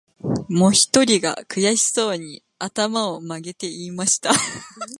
もひとりが、くやしそうに、あたまをまげて言いました